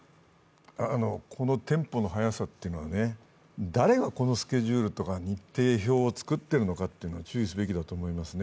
このテンポの速さというのは、誰がこのスケジュールとか日程表を作っているのかというのは注意すべきだと思いますね。